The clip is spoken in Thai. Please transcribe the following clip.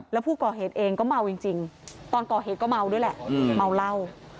แล้วผู้ก่อเหตุเองก็เมาจริงตอนก่อเหตุก็เมาด้วยแหละเมาเหล้า